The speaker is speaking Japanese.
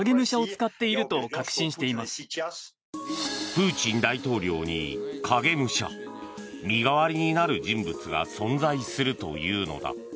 プーチン大統領に影武者身代わりになる人物が存在するというのだ。